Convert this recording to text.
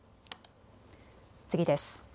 次です。